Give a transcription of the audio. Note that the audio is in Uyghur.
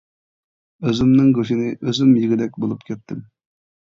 ئۆزۈمنىڭ گۆشىنى ئۆزۈم يېگۈدەك بولۇپ كەتتىم.